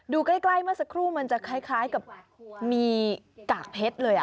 ใกล้เมื่อสักครู่มันจะคล้ายกับมีกากเพชรเลย